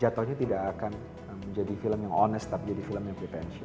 jatuhnya tidak akan menjadi film yang lima puluh empat honest tapi menjadi fit french